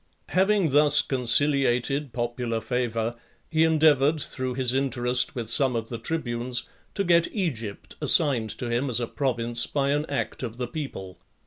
XI. Having thus conciliated popular favour, he endeavoured, through his interest with some of the tribunes, to get Egypt assigned to him as a province, by an act of the people.